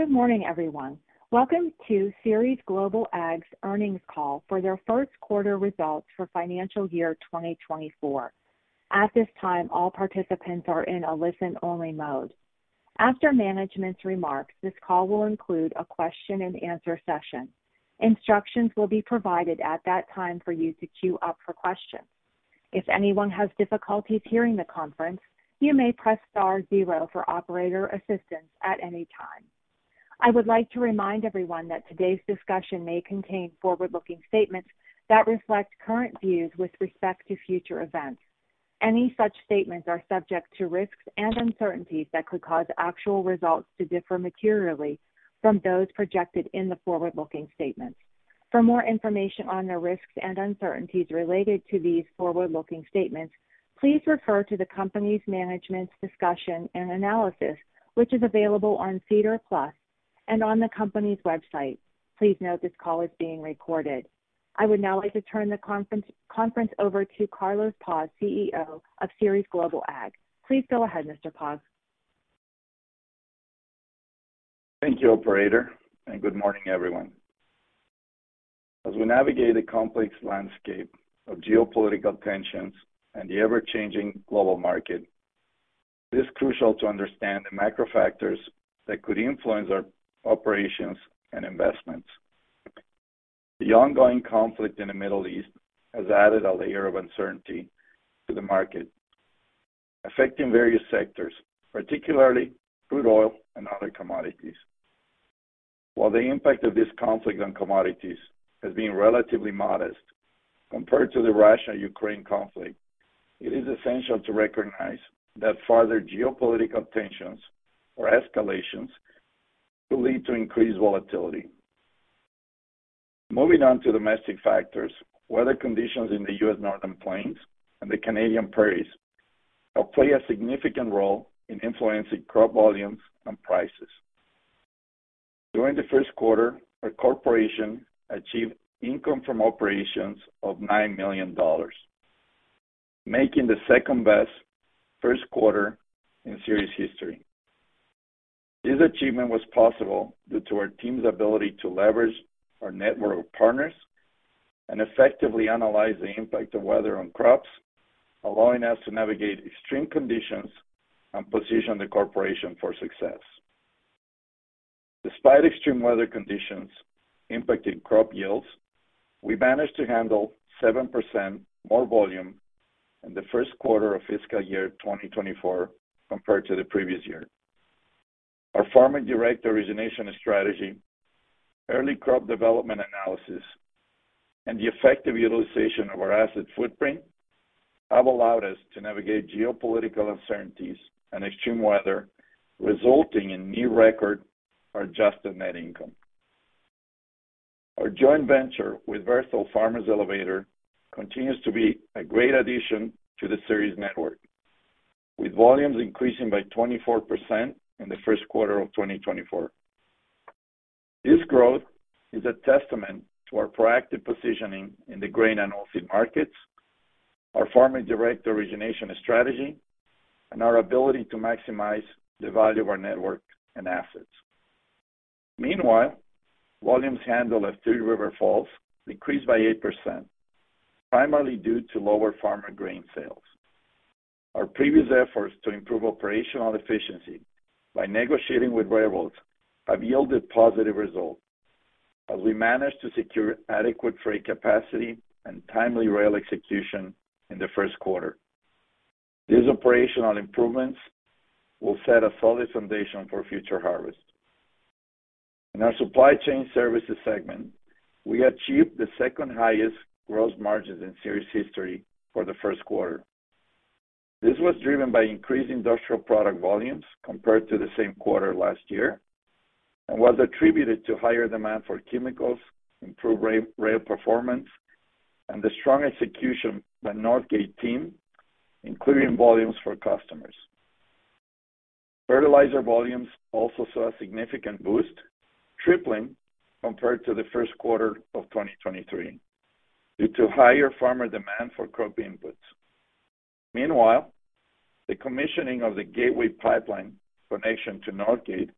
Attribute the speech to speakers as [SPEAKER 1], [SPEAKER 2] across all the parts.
[SPEAKER 1] Good morning, everyone. Welcome to Ceres Global Ag's earnings call for their first quarter results for financial year 2024. At this time, all participants are in a listen-only mode. After management's remarks, this call will include a question and answer session. Instructions will be provided at that time for you to queue up for questions. If anyone has difficulties hearing the conference, you may press star zero for operator assistance at any time. I would like to remind everyone that today's discussion may contain forward-looking statements that reflect current views with respect to future events. Any such statements are subject to risks and uncertainties that could cause actual results to differ materially from those projected in the forward-looking statements. For more information on the risks and uncertainties related to these forward-looking statements, please refer to the company's management's discussion and analysis, which is available on SEDAR+ and on the company's website. Please note, this call is being recorded. I would now like to turn the conference over to Carlos Paz, CEO of Ceres Global Ag. Please go ahead, Mr. Paz.
[SPEAKER 2] Thank you, operator, and good morning, everyone. As we navigate a complex landscape of geopolitical tensions and the ever-changing global market, it is crucial to understand the macro factors that could influence our operations and investments. The ongoing conflict in the Middle East has added a layer of uncertainty to the market, affecting various sectors, particularly crude oil and other commodities. While the impact of this conflict on commodities has been relatively modest compared to the Russia-Ukraine conflict, it is essential to recognize that further geopolitical tensions or escalations will lead to increased volatility. Moving on to domestic factors, weather conditions in the U.S. Northern Plains and the Canadian Prairies help play a significant role in influencing crop volumes and prices. During the first quarter, our corporation achieved income from operations of $9 million, making the second-best first quarter in Ceres history. This achievement was possible due to our team's ability to leverage our network of partners and effectively analyze the impact of weather on crops, allowing us to navigate extreme conditions and position the corporation for success. Despite extreme weather conditions impacting crop yields, we managed to handle 7% more volume in the first quarter of fiscal year 2024 compared to the previous year. Our farmer direct origination strategy, early crop development analysis, and the effective utilization of our asset footprint, have allowed us to navigate geopolitical uncertainties and extreme weather, resulting in new record or adjusted net income. Our joint venture with Berthold Farmers Elevator continues to be a great addition to the Ceres network, with volumes increasing by 24% in the first quarter of 2024. This growth is a testament to our proactive positioning in the grain and oilseed markets, our farmer direct origination strategy, and our ability to maximize the value of our network and assets. Meanwhile, volumes handled at Thief River Falls decreased by 8%, primarily due to lower farmer grain sales. Our previous efforts to improve operational efficiency by negotiating with railroads have yielded positive results, as we managed to secure adequate freight capacity and timely rail execution in the first quarter. These operational improvements will set a solid foundation for future harvest. In our supply chain services segment, we achieved the second-highest gross margins in Ceres history for the first quarter. This was driven by increased industrial product volumes compared to the same quarter last year, and was attributed to higher demand for chemicals, improved rail performance, and the strong execution by Northgate team, including volumes for customers. Fertilizer volumes also saw a significant boost, tripling compared to the first quarter of 2023, due to higher farmer demand for crop inputs. Meanwhile, the commissioning of the Gateway Pipeline connection to Northgate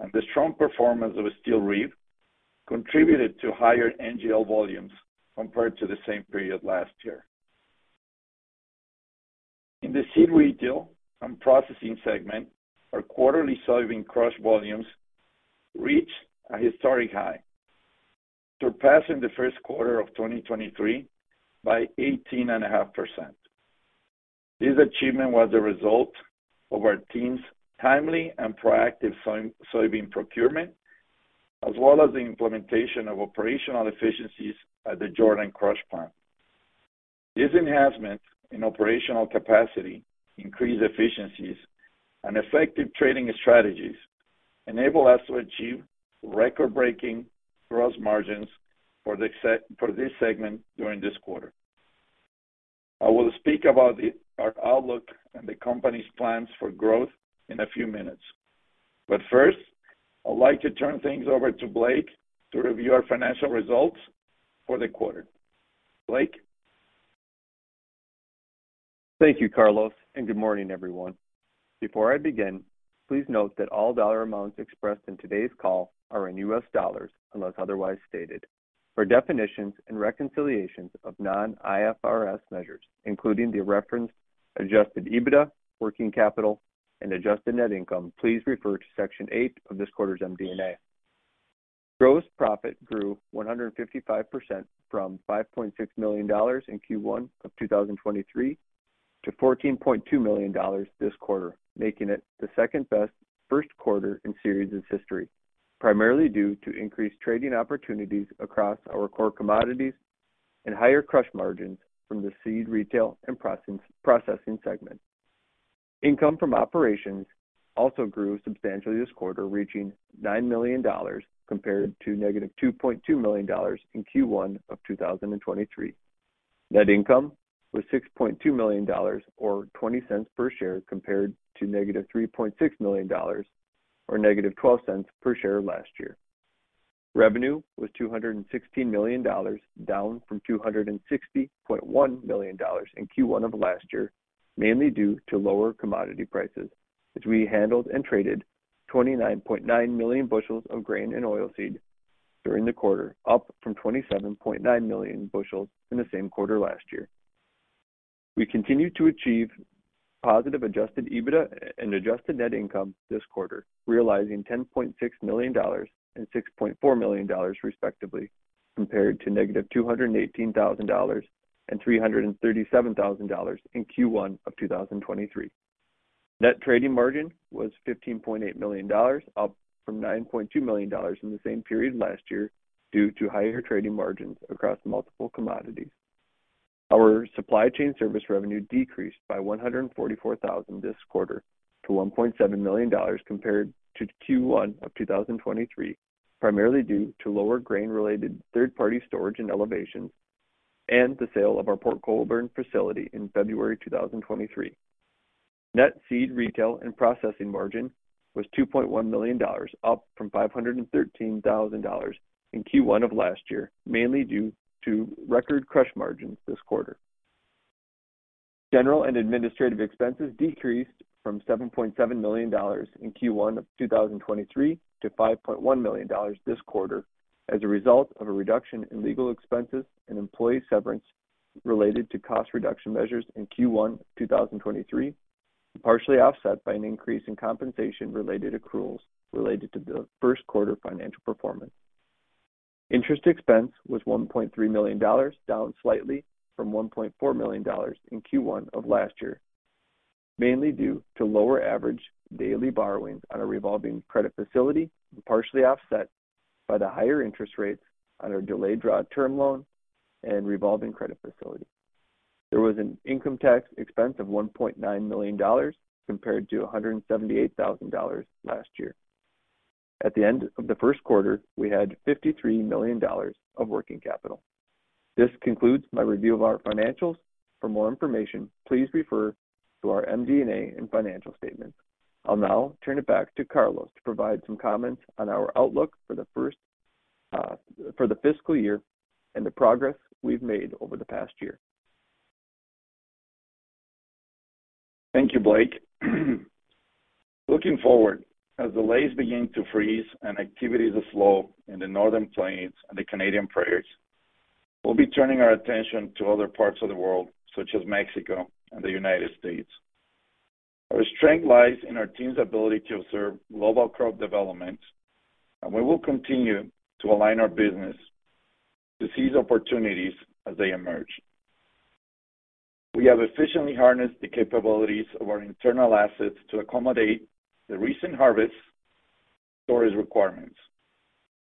[SPEAKER 2] and the strong performance of Steel Reef contributed to higher NGL volumes compared to the same period last year. In the seed retail and processing segment, our quarterly soybean crush volumes reached a historic high, surpassing the first quarter of 2023 by 18.5%. This achievement was a result of our team's timely and proactive soybean procurement, as well as the implementation of operational efficiencies at the Jordan crush plant. This enhancement in operational capacity, increased efficiencies, and effective trading strategies enable us to achieve record-breaking gross margins for this segment during this quarter. I will speak about our outlook and the company's plans for growth in a few minutes. But first, I'd like to turn things over to Blake to review our financial results for the quarter. Blake?
[SPEAKER 3] Thank you, Carlos, and good morning, everyone. Before I begin, please note that all dollar amounts expressed in today's call are in U.S. dollars, unless otherwise stated. For definitions and reconciliations of non-IFRS measures, including the referenced adjusted EBITDA, working capital, and adjusted net income, please refer to section 8 of this quarter's MD&A. Gross profit grew 155% from $5.6 million in Q1 of 2023 to $14.2 million this quarter, making it the second-best first quarter in Ceres' history, primarily due to increased trading opportunities across our core commodities and higher crush margins from the seed retail and processing segment. Income from operations also grew substantially this quarter, reaching $9 million compared to -$2.2 million in Q1 of 2023. Net income was $6.2 million or $0.20 per share, compared to -$3.6 million, or -$0.12 per share last year. Revenue was $216 million, down from $260.1 million in Q1 of last year, mainly due to lower commodity prices, as we handled and traded 29.9 million bushels of grain and oilseed during the quarter, up from 27.9 million bushels in the same quarter last year. We continued to achieve positive Adjusted EBITDA and Adjusted Net Income this quarter, realizing $10.6 million and $6.4 million, respectively, compared to -$218,000 and $337,000 in Q1 of 2023. Net trading margin was $15.8 million, up from $9.2 million in the same period last year, due to higher trading margins across multiple commodities. Our supply chain service revenue decreased by $144,000 this quarter to $1.7 million, compared to Q1 of 2023, primarily due to lower grain-related third-party storage and elevation, and the sale of our Port Colborne facility in February 2023. Net seed retail and processing margin was $2.1 million, up from $513,000 in Q1 of last year, mainly due to record crush margins this quarter. General and administrative expenses decreased from $7.7 million in Q1 of 2023 to $5.1 million this quarter, as a result of a reduction in legal expenses and employee severance related to cost reduction measures in Q1 of 2023, partially offset by an increase in compensation-related accruals related to the first quarter financial performance. Interest expense was $1.3 million, down slightly from $1.4 million in Q1 of last year, mainly due to lower average daily borrowings on a revolving credit facility, partially offset by the higher interest rates on our delayed draw term loan and revolving credit facility. There was an income tax expense of $1.9 million, compared to $178,000 last year. At the end of the first quarter, we had $53 million of working capital. This concludes my review of our financials. For more information, please refer to our MD&A and financial statements. I'll now turn it back to Carlos to provide some comments on our outlook for the first, for the fiscal year and the progress we've made over the past year.
[SPEAKER 2] Thank you, Blake. Looking forward, as the lakes begin to freeze and activities are slow in the Northern Plains and the Canadian Prairies, we'll be turning our attention to other parts of the world, such as Mexico and the United States. Our strength lies in our team's ability to observe global crop development, and we will continue to align our business to seize opportunities as they emerge. We have efficiently harnessed the capabilities of our internal assets to accommodate the recent harvest storage requirements.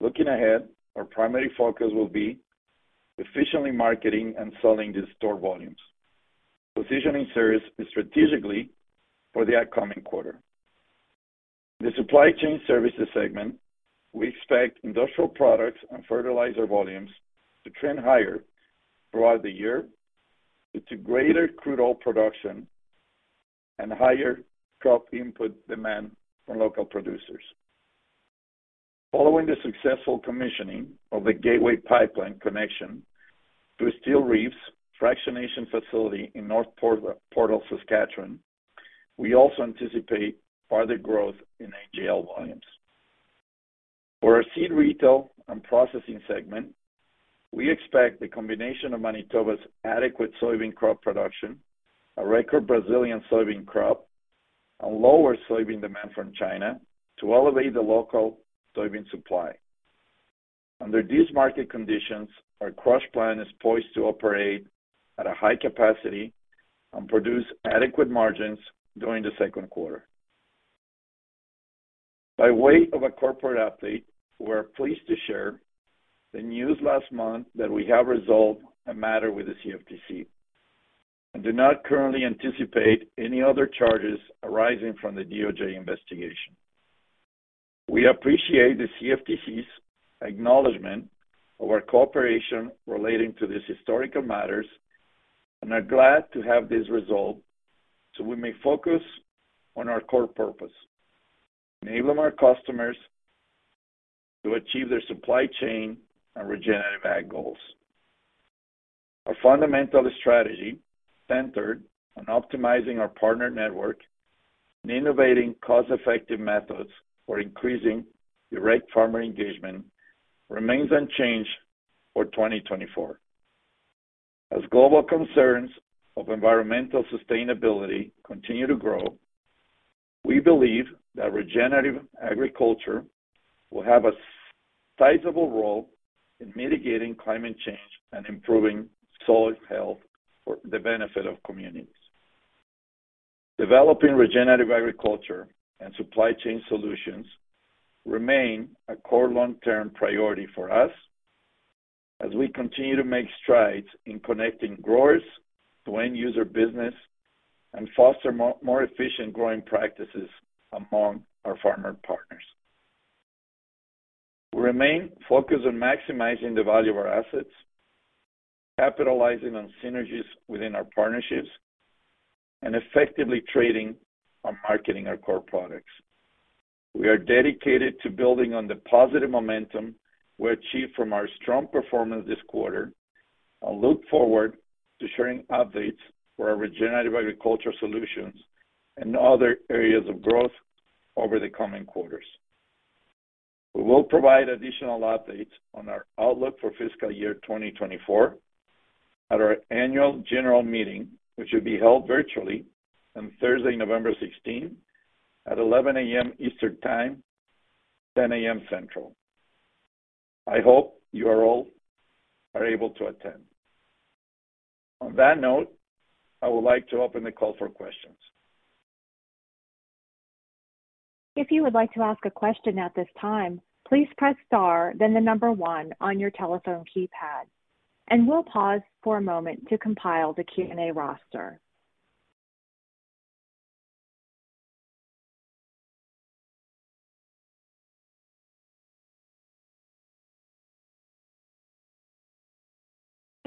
[SPEAKER 2] Looking ahead, our primary focus will be efficiently marketing and selling the stored volumes, positioning service strategically for the upcoming quarter. The supply chain services segment, we expect industrial products and fertilizer volumes to trend higher throughout the year due to greater crude oil production and higher crop input demand from local producers. Following the successful commissioning of the Gateway Pipeline connection to Steel Reef fractionation facility in North Portal, Saskatchewan, we also anticipate further growth in NGL volumes. For our seed retail and processing segment, we expect the combination of Manitoba's adequate soybean crop production, a record Brazilian soybean crop, and lower soybean demand from China to elevate the local soybean supply. Under these market conditions, our crush plant is poised to operate at a high capacity and produce adequate margins during the second quarter. By way of a corporate update, we're pleased to share the news last month that we have resolved a matter with the CFTC, and do not currently anticipate any other charges arising from the DOJ investigation. We appreciate the CFTC's acknowledgment of our cooperation relating to these historical matters, and are glad to have this resolved so we may focus on our core purpose: enabling our customers to achieve their supply chain and regenerative ag goals. Our fundamental strategy centered on optimizing our partner network and innovating cost-effective methods for increasing direct farmer engagement remains unchanged for 2024. As global concerns of environmental sustainability continue to grow, we believe that regenerative agriculture will have a sizable role in mitigating climate change and improving soil health for the benefit of communities. Developing regenerative agriculture and supply chain solutions remain a core long-term priority for us as we continue to make strides in connecting growers to end user business and foster more efficient growing practices among our farmer partners. We remain focused on maximizing the value of our assets, capitalizing on synergies within our partnerships, and effectively trading and marketing our core products. We are dedicated to building on the positive momentum we achieved from our strong performance this quarter and look forward to sharing updates for our regenerative agriculture solutions and other areas of growth over the coming quarters. We will provide additional updates on our outlook for fiscal year 2024 at our annual general meeting, which will be held virtually on Thursday, November 16, at 11:00 A.M. Eastern Time, 10:00 A.M. Central. I hope you are all are able to attend. On that note, I would like to open the call for questions.
[SPEAKER 1] If you would like to ask a question at this time, please press star, then the number one on your telephone keypad, and we'll pause for a moment to compile the Q&A roster.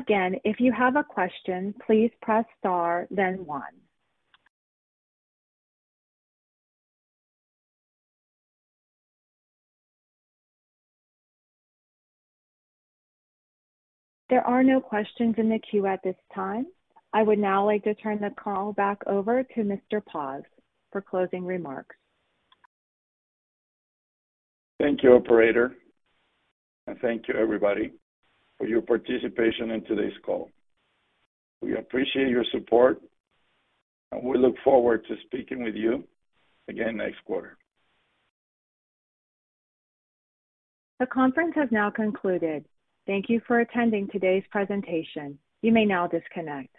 [SPEAKER 1] Again, if you have a question, please press star, then one. There are no questions in the queue at this time. I would now like to turn the call back over to Mr. Paz for closing remarks.
[SPEAKER 2] Thank you, operator, and thank you everybody for your participation in today's call. We appreciate your support, and we look forward to speaking with you again next quarter.
[SPEAKER 1] The conference has now concluded. Thank you for attending today's presentation. You may now disconnect.